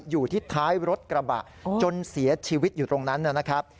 อยู่ที่ท้ายรถกระบะจนเสียชีวิตอยู่ตรงนั้นนะครับ